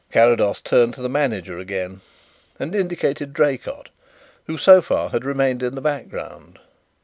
Carrados turned to the manager again and indicated Draycott, who so far had remained in the background.